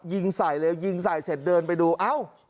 ยิงใส่เลยยิงใส่เสร็จเดินไปดูเอ้า